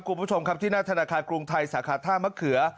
คุณผู้ชมครับที่หน้าธนาคารกรุงไทยสาขาท่ามะเขือ